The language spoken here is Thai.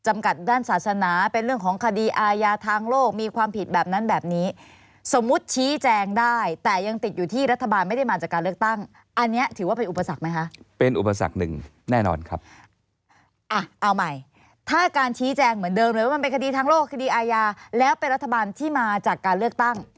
มันเป็นคดีทางโลกคดีอายาแล้วเป็นรัฐบาลที่มาจากการเลือกตั้ง